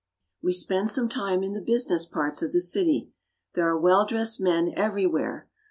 We spend some time in the business parts of the city. There are well dressed men every where.